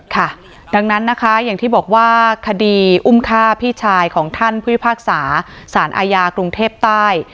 ค่ะดังนั้นนะคะอย่างที่บอกว่าคดีอุ้มฆ่าพี่ชายของท่านผู้พิพากษาสารอาญากรุงเทพใต้